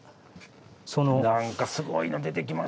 何かすごいの出てきましたよ。